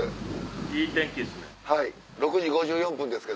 いい天気ですね。